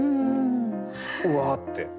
「うわ」って。